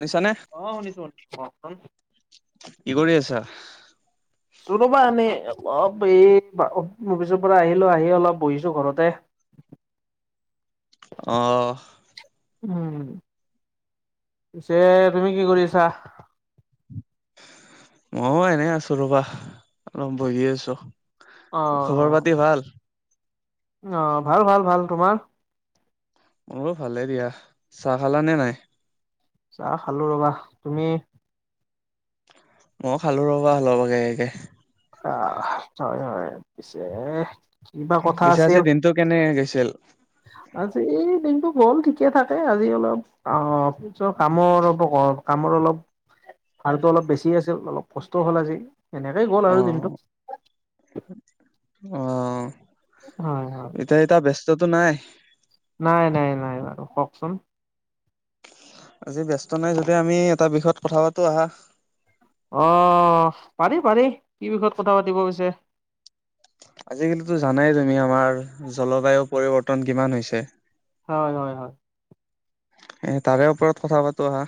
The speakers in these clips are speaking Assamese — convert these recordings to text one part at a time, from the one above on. শুনিছানে অহ শুনিছো কওকচোন কি কৰি আছা ছোনো বা এনে ওৱা বেব এই, অফিচৰ পৰা আহিলো আহি অলপ বহিছো ঘৰতে অহ উম পিছে তুমি কি কৰিছা ময়োও এনে আছো ৰবা অলপ বহি আছো অ খবৰ পাতি ভাল অহ ভাল ভাল ভাল তোমাৰ মোৰো ভালে দিয়া চাহ খালা নে নাই চাহ খালো ৰবা তুমি মই খালো ৰ'বা লগৰ ভাগে একে আহ হয় হয় পিছে কিবা কথা পিছে আজি আছিল দিনটো কেনে গৈছিল আজি এই দিনটো গ'ল ঠিকে থাকে আজি অলপ অহ অফিচৰ কামৰ ৰবক [unintelligible] কামৰ অলপ হাৰটো অলপ বেছি আছিল অলপ কষ্ট হ'ল আজি এনেকেই গ'ল আৰু দিনটো অহ হয় হয় এতিয়া এতিয়া ব্যস্ততো নাই নাই নাই নাই বাৰু কওকচোন আজি ব্যস্ত নাই যদি আমি এটা বিষয়ত কথা পাতোঁ আহা অহ পাৰি পাৰি কি বিষয়ত কথা পাতিব পিছে আজিকালিতো জানাই তুমি আমাৰ জলবায়ু পৰিৱৰ্তন কিমান হৈছে হয় হয় হয় এ তাৰে ওপৰত কথা পাতোঁ আহা।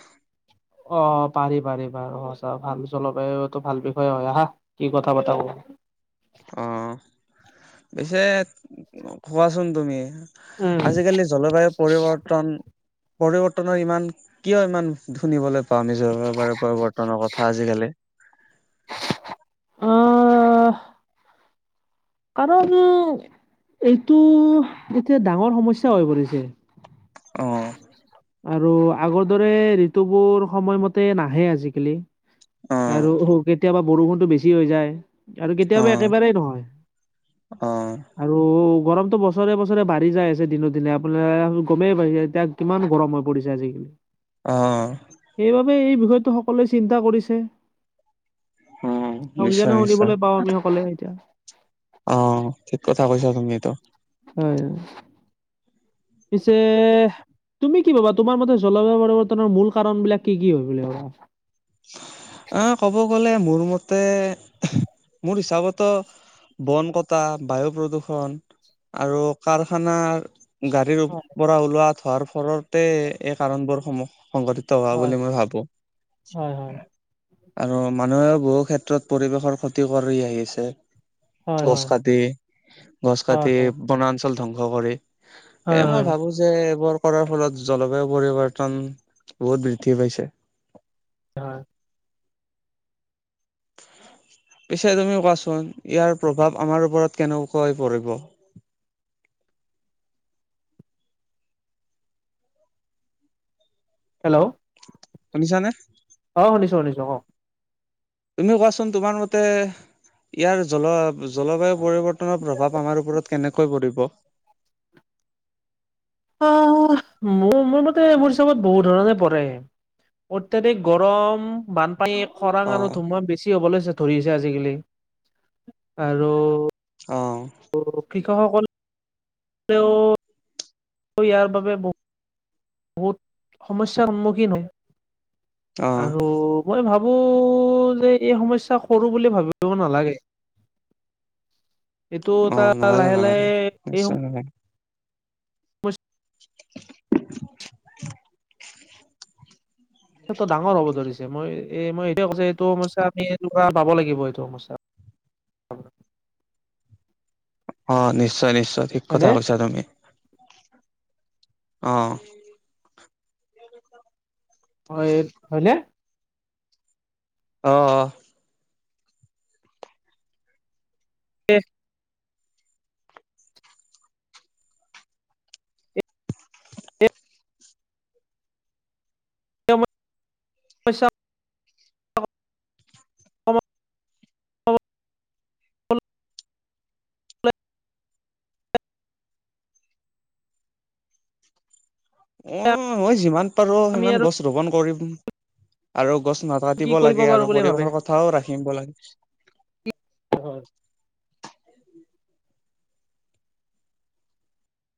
অ পাৰি পাৰি বাৰু সঁচা ভাল জলবায়ুতটো ভাল বিষয়ে হয় আহা কি কথা পতা। অ পিছে কোৱাচোন তুমি? উম। আজিকালি জলবায়ু পৰিৱৰ্তন পৰিৱৰ্তনৰ ইমান কিয় ইমান ধুনিবলৈ অহ শুনিছো ৰবা ৰবা বৰ্তমানৰ কথা আজিকালি অহ কাৰণ এইটো এতিয়া ডাঙৰ সমস্যাৰ হৈ পৰিছে। অ', আৰু আগৰ দৰে ঋতুবোৰ সময়মতে নাহে আজিকালি। অ', আৰু হো কেতিয়াবা বৰষুণতো বেছি হৈ যায় আৰু কেতিয়াবা অ', একেবাৰেই নহয়। অ আৰু গৰমতটো বছৰে বছৰে বাঢ়ি যাই আছে দিনক দিনে আপোনাৰ গমেই এতিয়া কিমান গৰম হৈ পৰিছে আজিকালি। অঁ। সেইবাবে এই বিষয়টো সকলোৱে চিন্তা কৰিছে। সং নিশ্চয় জানো নিশ্চয়। শুনিবলৈ পাওঁ আমি সকলোৱে এতিয়া। অ ঠিক কথা কৈছা তুমিতো। হয়। পিছে তুমি কি ভাবা তোমাৰ মতে জলবায়ু পৰিৱৰ্তনৰ মূল কাৰণ বিলাক কি কি হয় বুলি ভাবা? আহ ক'ব গলে মোৰ মতে মোৰ হিচাপতো বন কটা, বায়ু প্ৰদূষণ আৰু কাৰখানাৰ গাড়ীৰ পৰা ওলোৱা ধোৱাৰ ফলতে এই কাৰণবোৰ সমূহ সংঘটিত হোৱা হয় বুলি মই ভাবোঁ। হয় হয়। আৰু মানুহেও বহু ক্ষেত্ৰত পৰিৱেশৰ ক্ষতি কৰি আহিছে। হয় হয় গছ হয় কাটি, গছ হয় কাটি বনাঞ্চল ধ্বংস কৰি এ হয় মই হয় ভাবো যে এইবোৰ কৰাৰ ফলত জলবায়ু পৰিৱৰ্তন বহুত বৃদ্ধি পাইছে। অ পিছে তুমিও কোৱাচোন ইয়াৰ প্ৰভাৱ আমাৰ ওপৰত কেনেকুৱা হৈ পৰিব? হেল্ল'ঊ শুনিছা নে? অ শুনিছো শুনিছো অ। তুমি কোৱাচোন তোমাৰ মতে ইয়াৰ জল জলবায়ু পৰিৱৰ্তনৰ প্ৰভাৱ আমাৰ ওপৰত কেনেকৈ পৰিব? অ মোৰ মোৰ মতে মোৰ হিচাপত বহুত ধৰণে পৰে অত্যাধিক গৰম, বানপানী খৰাং আৰু অ', ধুমুহা বেছি হ'বলৈ ধৰিছে আজিকালি আৰু অঁ। কৃষক সকললে [inaudible] ত ইয়াৰ বাবে বহু বহুত সমস্যাৰ সন্মুখীন হয় অ', আৰু মই ভাবো যে এই সমস্যা সৰু বুলি ভাবিব নালাগে। [inaudible] এইটো এটা অ', নালাগে লাহে নালাগে। লাহে নিশ্চয় হয়। ব [unintelligible] [unintelligible] টো ডাঙৰ হ'ব ধৰিছে, মই এই মই সেইটোৱে কৈছোঁ যে এইটো সমস্যা আমি এনেকুৱা পাব লাগিব এইটো সমস্যা। অ নিশ্চয় নিশ্চয় ঠিক কথা হয়নে কৈছা তুমি। অঁ। হয় হয়নে? অ এ তে মই হৈছাব কমাবলৈ অ হয় যিমান যিমান পাৰোঁ আমি সিমান আৰু গছ ৰোপন কৰিম আৰু গছ কি নাকাটিব কৰিব লাগে পাৰো আৰু বুলি ভাবে পৰিৱেশৰ কথ- থাও ৰাখিম ব লাগিছ। হয়।